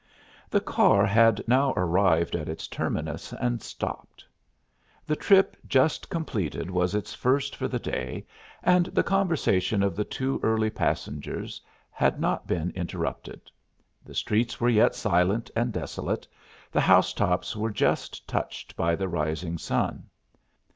The car had now arrived at its terminus and stopped. The trip just completed was its first for the day and the conversation of the two early passengers had not been interrupted. The streets were yet silent and desolate; the house tops were just touched by the rising sun.